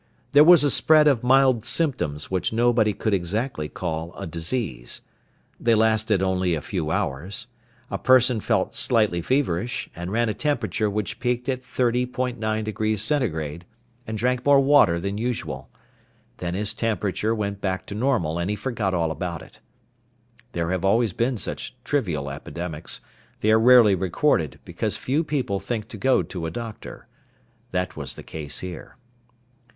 There was a spread of mild symptoms which nobody could exactly call a disease. They lasted only a few hours. A person felt slightly feverish, and ran a temperature which peaked at 30.9° centigrade, and drank more water than usual. Then his temperature went back to normal and he forgot all about it. There have always been such trivial epidemics. They are rarely recorded, because few people think to go to a doctor. That was the case here.